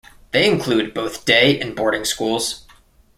They include both day and boarding schools.